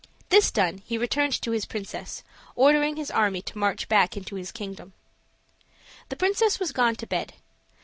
This done he returned to his princess, ordering his army to march back into his kingdom. The princess was gone to bed.